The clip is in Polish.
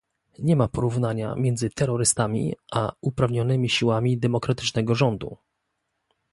Nie ma porównania między terrorystami a uprawnionymi siłami demokratycznego rządu